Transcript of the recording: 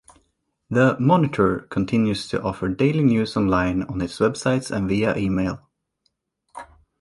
The "Monitor" continues to offer daily news online on its website and via email.